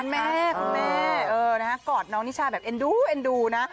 คุณแม่คุณแม่กอดน้องนิชาแบบเอ็นดูเอ็นดูนะ